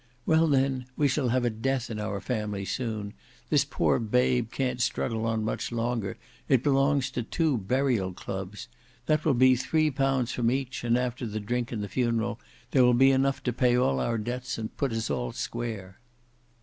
"Well, then—we shall have a death in our family soon—this poor babe can't struggle on much longer; it belongs to two burial clubs—that will be three pounds from each, and after the drink and the funeral, there will be enough to pay all our debts and put us all square."